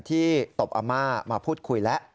ที่ตบอำมามาพูดคุยและ